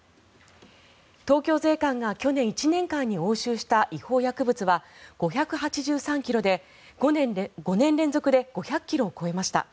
東京税関が去年１年間に押収した違法薬物は５８３ｋｇで、５年連続で５００ｋｇを超えました。